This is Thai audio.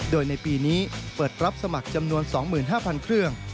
โดยในปีนี้เปิดรับสมัครจำนวน๒๕๐๐๐เครื่อง